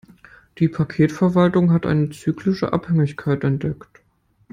Die Paketverwaltung hat eine zyklische Abhängigkeit entdeckt.